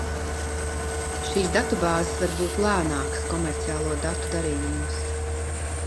Šīs datubāzes var būt lēnākas komerciālo datu darījumos.